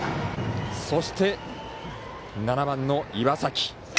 そして、７番の岩崎。